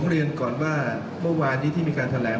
เรียนก่อนว่าเมื่อวานนี้ที่มีการแถลง